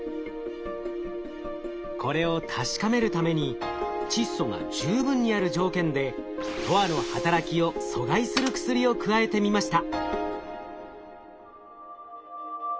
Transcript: これを確かめるために窒素が十分にある条件でＴＯＲの働きを阻害する薬を加えてみました。